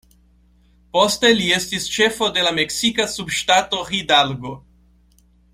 Poste li estis ĉefo de la meksika subŝtato Hidalgo.